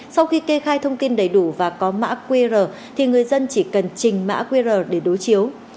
sau khi kê khai thông tin đầy đủ và có mã qr thì người dân chỉ cần trình mã qr để đối chiếu